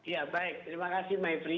ya baik terima kasih maifri